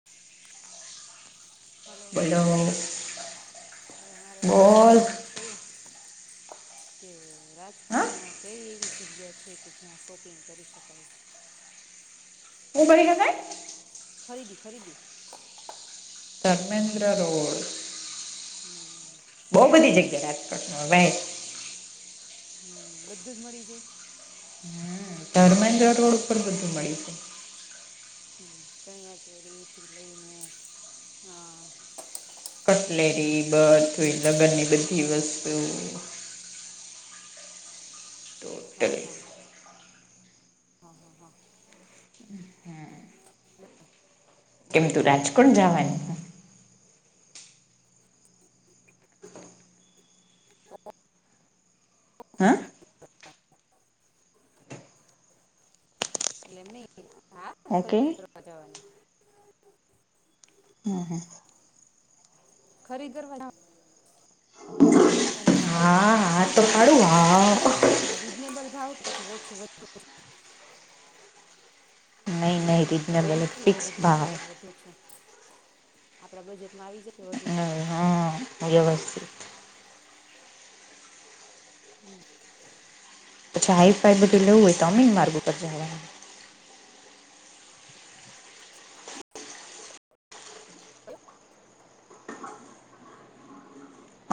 [inaudible] Hello બોલો હવે મારે તને ઈ બોલ પૂછવું તુ શું કે હા રાજકોટમાં કઈ એવી જગ્યા છે કે જ્યાં શોપિંગ કરી શકાય [unintelligible] ખરીદી ખરીદી ધર્મેન્દ્ર રોડ હમ્મ બહ બધી જગ્યા રાજકોટમાં હમ્મ બધું જ મળી જાય? હમ્મ ધર્મેન્દ્ર રોડ પર બધું મળી જાય. હમ્મ ચણિયા ચોરીથી લઈને આ કટલેરી બધુઈ લગ્ન ની બધી વસ્તુ હા [unintelligible] હા હા હા હા હમ્મ કેમ તું રાજકોટ જવાની? [inaudible] હા [inaudible] એટલે એમ નહિ હા ઓકે ખરીદી કરવા જવાની હમ્મ હમ્મ ખરી કરવા અને હા હા એમ તો પાડું નાઇ હા રીઝનેબલ ભાવ પછી ઓછું વધતું નહી [unintelligible] નહી રિજ રીઝનેબલ રેન્ટ કેલું ફિક્સ રીઝનબલ ભાવ વધુ ઓછું આપડા બજેટમાં આવી જાય કે વધુ હમ્મ થાય હા વ્યવસથી હમ્મ અચ્છા હાઈ ફાય બધું લેવું હોય તો અમીન માર્ગું પર જાવાનુ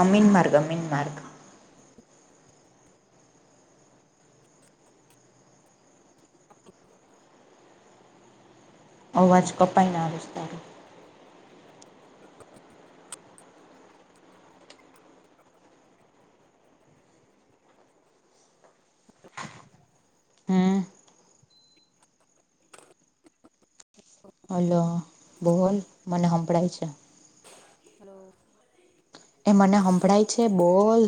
અમીન માર્ગ અ મીન માર્ગ અવાજ કપાઈ ન આવે છે તારો હમ હલો બોલ મને હનભળાય છે હલો એ મને સંભળાય છે બોલ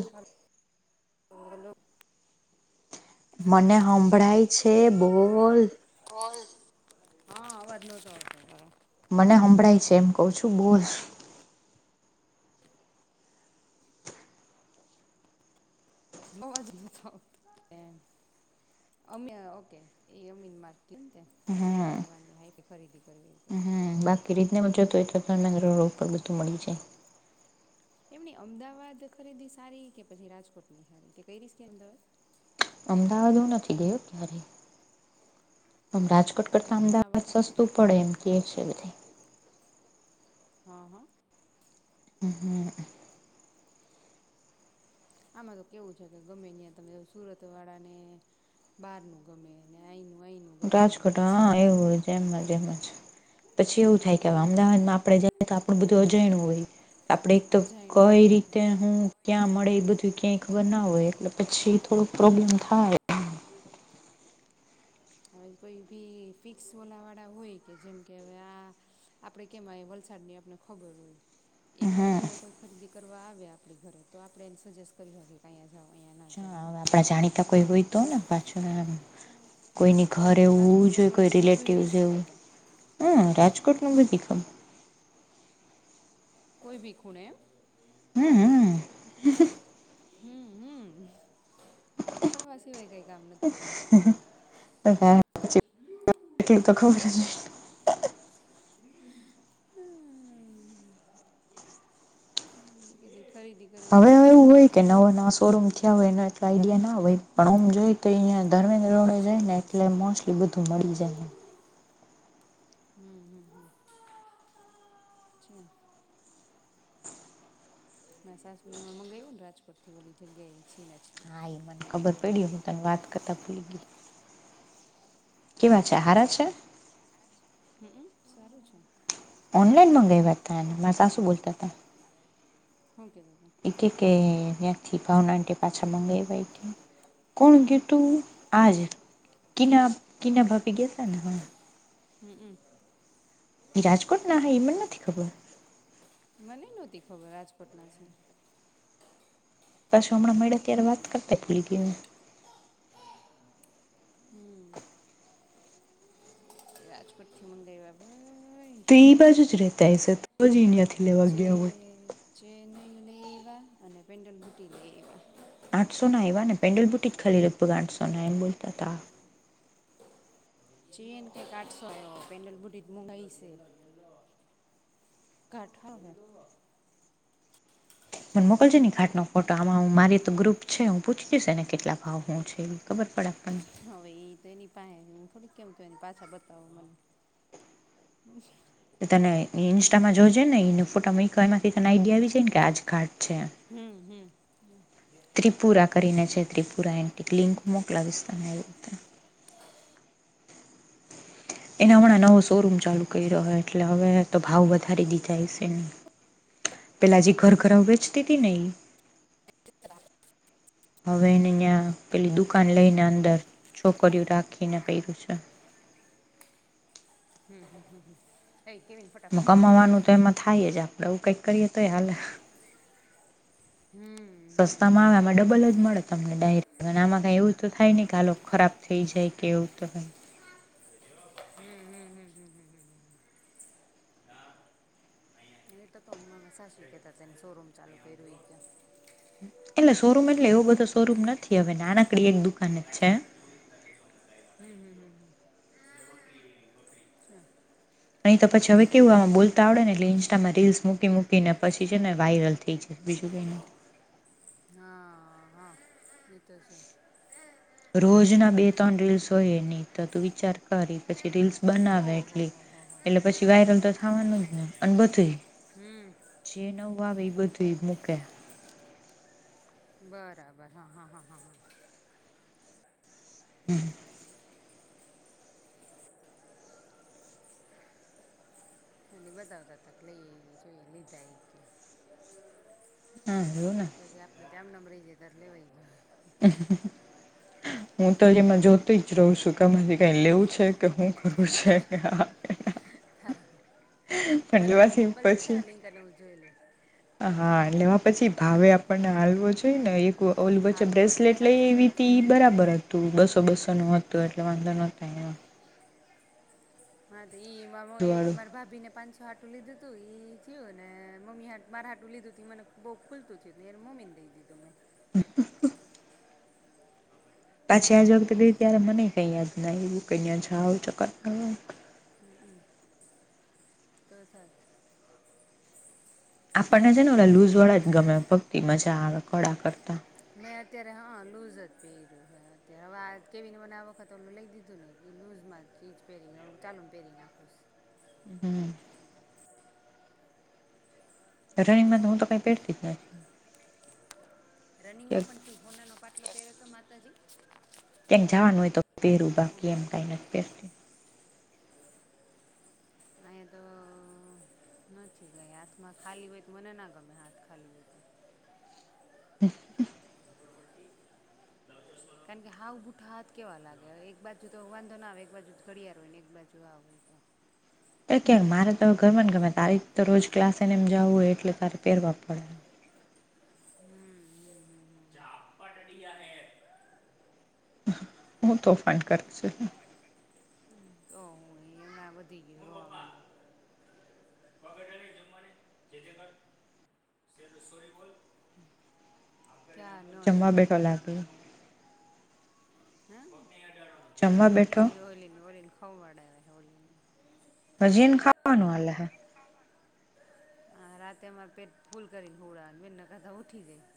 હ હલો મને સંભળાય છે બોલ હા અવાજ નતો આવતો તારો મને સંભળાય છે એમ કઉ છું બોલ અવાજ ન તો આવતો અમે ઓકે એ અમીન માર્ગ ન્યાં હમ. કરવાની અહીંથી ખરીદી કરવી તો એમ હ બાકી રિઝનેબલ જોતું તો એ તો તો રોડ પણ બધું મળી જાય એમ ન અમદાવાદ ખરીદી સારી કે પછી રાજકોટની સારી તે કઈરિશ ક્યારેય અમદાવાદ અમદાવાદ હું નથી ગઈ ક્યારે આમ રાજકોટ કારણ કરતા કે અમે આ અમદાવાદ વખત સસ્તું પડે એમ કે છે બધાય હા હા હ હા આમાં તો કેવું છે કે ગમે ત્યાં તમે સુરતવાળાને બહારનું ગમે અને અહીંનું અહીંનું રાજકોટ હા એવું જેમમાં એમ જ પછી એવું થાય કે હવે અમદાવાદમાં આપડે જ તો આપણું બધું અજાણણું હોય આપણેે એક તો અજાયણું હોય કઈ એટલે રીતે હું ક્યાં મળે એ બધું ક્યાંય ખબર ના હોય એટલે પછી થોડુંક પ્રોબ્લેમ થાય હવે કોઈ બી ફિક્સવાલાવાળા હોય કે જેમ કે હવે આ આપડે કેમાંય વલસાડ ની આપને ખબર હોય એવાની હા ઘરે કોઈ ખરીદી કરવા આવે આપણી ઘરે તો આપણે એને સજેસ્ટ કરી હગિયે અહીંયા જાઓ અહીંયા ના જાઓ એમ એ કોઈ હોય તો ને પાછું કોઈની એમ ઘરે તને એવું રાજકોટનું જોઈ કોઈ નોલેજ બધું રિલેટિવ એ હશે ને તો એવું તો હા રાજકોટનું બી દીખમ કોઈ ભી ખૂણે એમ હમ હમ હમ હમ રખડવા સિવાય કઈ કામ નથી કર્યું માવડાએ એટલું તો ખબર હમ ખરીદી કરવી હવે તો હવે ક્યાં હોય હારી કે નવાો સુરત નવા શોરૂમ થયા હોય એ આઈડિયા ના હોય પણ હમ જોઈ તો અંયા કારણ કે ધર્મેન્દ્ર હા રોડે છ જઈ ને વર્ષ એટલે મોસ્ટલી બધું મળી જાય હમ હમ હમ છે મે સાસુ એ હમણાં મંગાવ્યું ને રાજકોટથી ઓલી જગ્યાએ છેને જ હા એ મને ખબર પેન્ડલ પડી બુટી હું તને વાત કરતા ભૂલી ગઈ કેવા છે હારા છે હમમ સારું છે તને ઓનલાઈન મંગાવ્યા હતાને મા સાસું બોલતા હતા હુ કે તા તા એ કે ત્યાંથી ભાવના આન્ટી પાછા મગાવ કોણ ગ્યુ તું આજ કિના કિના ભાભી આપી ગયાશે ને હવે હમ હમ રાજકોટ ના હાય એ મન નથી ખબર. મને નોતી ખબર રાજકોટ ના છે. પાછું હમણાં મળ્યા ત્યારે વાત કરતા ભૂલી ગયન હમ્મ. રાજકોટ થી મંગાયવા. તે બાજુ જ રહેતા હ છે તો જ ડયાથી લેવા ગયા હોય. ચેનઈ લેયવા અને પેન્ડલ બુટી લેયવા. આઠસો ના આવવા ને પેન્ડલ બુટી જ ખાલી લગભગ આઠસો ના એમ બોલતા હતા. ચેએન કે કાઠસો પેન્ડલ બુટ્ટી મગઈ છે. [unintelligible] મને મોકલજો ને ઘાટ નો ફોટો આમાં હું મારી તો ગ્રુપ છે. હું પૂછ જઈશ ને કેટલા ભાવ હું છે. ખબર પડે પણ હવે એ તો એની પાસે થોડીક કેમ એ પાછા બતાવ મને. તને ઈન્સ્ટામાં જોજે ને એને ફોટામાં એમાં કઈકને આઈડિયા આવી જાય ને કે આજ ઘાટ છે. હમ હમ ત્રિપુરા કરીને છે. ત્રિપુરા એન્ટી લિંક મોકલાવીશ તને એ એના હમણાં નવો શોરૂમ ચાલુ કરી રહ્યો. એટલે હવે તો ભાવ વધારી દીધા [unintelligible] પેલા હજી ઘર ઘર વેચતી હતી ને ઈ ત્ર [unintelligible] હવે એને ત્યાં પેલી દુકાન લઈને અંદર છોકરીઓ રાખીને કર્યું છે. હમ હમ હમ એ કેવીને ફટાફટ કરજો. કમાવાનું તો એમાં થાય જ આપણે એવુ કંઈક કરીએ તો હાલ. હમ્મ. સસ્તામાં આવે આમાં ડબલ જ મળે. તમને ડાયરેક આમાં કઈ એવું તો થાય નને કે આલ ખરાબ થઈ જાય કે એવું તો કઈ. હમ હમ હમ હમ હ હ [inaudible] એ તોમ સા શીખતા તેને શોરૂમ ચાલુ કર્યું. એટલે શોરૂમ એટલે એવો બધો શોરૂમ નથી હવે નાનકડી એક દુકાન જ છે. હમ હમ હ હમ [inaudible] અહીં તો પછી હવે કેવું આમાં બોલતા આવડે ને એટલે ઇન્સ્ટામાં રીલ્સ મૂકી મૂકીને પછી છે ને વાયરલ થઈ જાય. બજું કંઇ નઈ [inaudible] હા હા એતો છે. રોજ ના બે ત્રણ રીલ્સ હોય નહી તો તું વિચાર કરી પછી રીલ્સ બનાવે ઓહો એટલી હો હો હો એટલે પછી વાયરલ તો થવાનું જ ને અને બધું હમ જે નવું આવે એ બધું મૂકે. બરાબર હા હા હા હા હા. હમ અને બધા બધા તક લઈવી જોઈએ લીધા છે. હા એવું [inaudible] એ ને તો જે આપડ તમ ન રહી જે ત્યારે લેવાઈ ગયો. [inaudible] જવું સુકામાંથી કઈ લેવું છે. કે શું કરું છે હા. હ પણ મને એ લેવાથી મોકલજેજ કે પછી લિંક અને હું જોયેલું. હા લેવા પછી ભાવે આપણને હાલવો જોઈ ને એક ઓલબચ્ચે હાલવો જોઈને બ્રેસલેટ લઈ સાચી એવી વાત ત છે બરાબર હતી. તું બસો બસો નું હતું એટલે વાંધો ન [unintelligible] જુવાળું ભાભીને પાંચસો આટું લીધું તું ઈ થયું ને મમ્મી મારા આટું લીધું તું મને બહુ ખુલતુંયું યર મમીને દઈ દીધું મેં હ [inaudible] પાછી આજ વખતે ત્યારે મને કઈ યાદ ના આવું ક આવ ચકર હ [inaudible] તો સારું આપણને છે ને ઓ લૂઝ વાળા જ ગમે ભક્તિ મજા આવે કળા કરતા મે અત્યારે હા લુઝ જ પહેર્યું હ અત્યારે હવે કેવીને બને આ વખત અમને લઈ દીધું ને એ લુઝમાં જ ઇજ પેરી નાું ચાલુ પેરી નાખુશ હને રનિંગમાં હું તો કઈ પેડતી જ નથી રનિંગમાં પણ તુ હોનાનો પાટલો પહેર્યો તો માતાજી ક‌ઇ જવાનું હોય તો પેરું બાકી એમ કાંઇ નથી પેરતી. અહીયા તો નથી ગઈ હાથમાં ખાલી હોય તો મને ના ગમે હાથ ખાલી હોય તો. હ [unintelligible] આ [inaudible] કારણ કે હઉ ભુઠા હાથ કેવા લાગે એક બાજુ તો વાંધો ના આવે એક બાજુ ઘડિયાળ ને એક બાજુ જોવા હોય તો એ ક્યાંક મારે તો ઘરમાં ને ઘરમાં તારી તો રોજ ક્લાસે ને એમ જવું હોય એટલે તારી પહેરવા પડે. જાઝાપટડીી હ હું તો ફંડ કર છ ઓ હેમા વધધી ગયો હ બગડને જમવાની જય જય કાર સોરી બોલ ત્યાન જમવા ન બેઠો લાગે ગ હ જમવા બેઠો ટવી હોલીની હોળને ખ મળડે છે હોળની હજી એનું ખાવાનું હાલ હે હ રાતેમાં પેટ ફૂલ કરીને હુળાવાનુ બેન નાકતા ઊઠી જાય.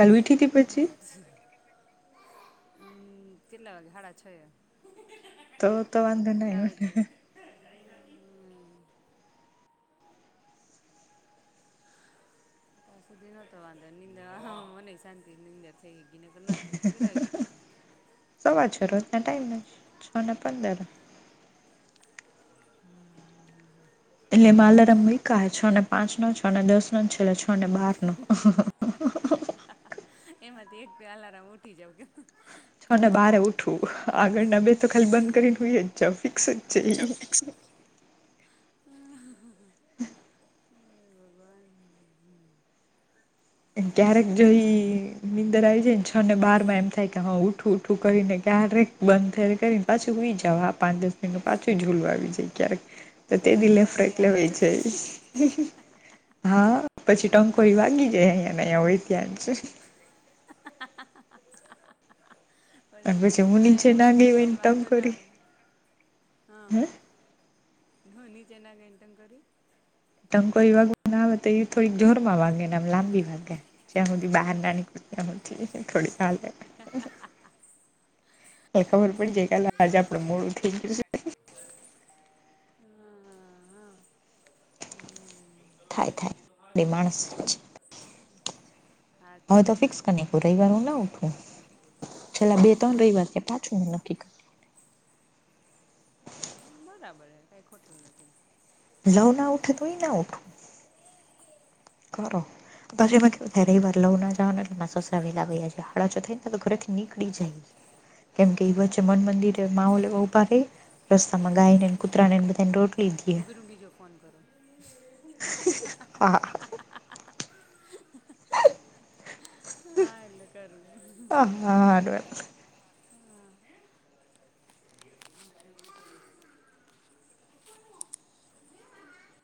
કાલ ઉયઠી તી પછી હ [unintelligible] હમ કેટલા વાગે હાડા છ તો તો વાંધો ન આવે હમ [unintelligible] ત્યાં સુધી નતો વાંધો નિંદે મને શાંતિ નિંદે થ યોગીનગર ના થ તું કેટલા ઉઠી તી સવા છ રોજના ટાઈમ છ ને પંદર હમ [inaudible] એટલે માલારમ વિકાય છ ને પાંચ નો છ ને દસ નો છેલ્લે છ ને બાર નો એમાંથી એક પ અલારા ઉઠી જ છ ને બારે ઉઠવું આગળના બે તો ખાલી બંધ કરીને હુઇ જવુ ફિક્સ જ છે ઈ ફ હ હે ભગવાન એટલે હવે ક્યારેક આ જોઈ નીંદર આવી જાય ને છ ને બાર માં એમ થાય કે હા ઉઠું ઉઠું કરીને ક્યારેક બંધ થાય કરીને પાછી હુઇ જાવ હા પાંચ દસ મિનિટ પાછું ઝોલું આવી જાય ક્યારેક તો તે દિ પછી લેફ્ટ ક્યારે થઈ રાઈટ સાડા લેવાય છ થઈ જાય જાય. હા પછી ટંકોઈ વાગી જાય અહંયાયા હોય ત્યાંજ. અને પછી [unintelligible] હું ના નીચે એવો ઘર ગઈ પર હોય ને વાંધો ના ટંકોરી આવે. હા હે ધો નીચેના ગેન્ટન કરી ટંકોઈ વાગવા આવે તો એ થોડીક જોર માં વાગે ને આમ લાંબી વાગે જ્યાં હું બી બહાર ના નીકળી. હ ઠીક થોડી હાલે એ ખબર પણિ જાય કે હલે આજે આપડું મોડું થઈ ગયું છે. હા હા હા હમ જ તો થાય થાય હાર માણસ જ ચી હા છે હવે તો ફિક્સ કરી સો નાખ્યું રવિવાર હું ના ટકા ઉઠું છેલ્લા બે ત્રણ રવિવાર કે પાછું મે નક્કી કર હ બરાબર હે કઈ ખોટું નથી લવ ના ઉઠે તોય ના ઉઠ કરો પછી મેં હમ કેે ર એ વાર લવું ના જવાનું એટલે મા સસરા વેલા ભૈયા હાળ જ થઈ ને તો ઘરેથી નીકળી જાય કેમ કે એ વચ્ચે મન મંદિરે માહોલ ઉભા રે રસ્તામાં ગાય નેને હમ કૂતરા નેને બધાને રોટલી દીએ ઊભી રૂ બીજો ફોન કરો આ [unintelligible] હા એલે કરું હા હાડવે હા અ